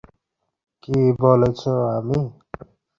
কী বলছো, আমি?